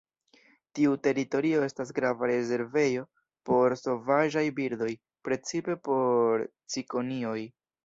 Tiu teritorio estas grava rezervejo por sovaĝaj birdoj, precipe por cikonioj.